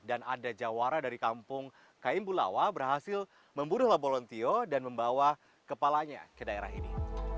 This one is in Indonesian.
dan ada jawara dari kampung kaim bulawa berhasil membunuh la bolontio dan membawa kepalanya ke daerah ini